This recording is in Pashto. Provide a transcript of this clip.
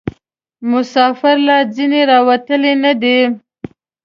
مسافر لا ځني راوتلي نه دي.